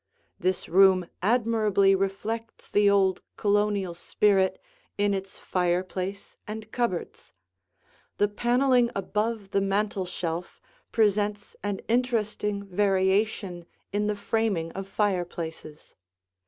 This room admirably reflects the old Colonial spirit in its fireplace and cupboards. The paneling above the mantel shelf presents an interesting variation in the framing of fireplaces.